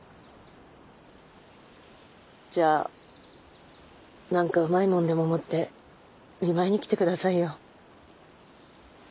じゃあ何かうまいもんでも持って見舞いに来て下さいよ。